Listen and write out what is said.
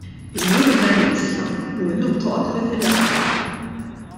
Imwielda l-Isla u llum toqgħod Wied il-Għajn.